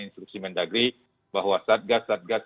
instruksi mendagri bahwa satgas satgas